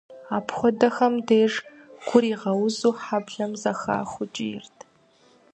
Апхуэдэхэм деж, гур игъэузу, хьэблэм зэхахыу кӏийрт.